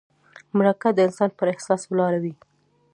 مرکه د انسان پر احساس ولاړه وي.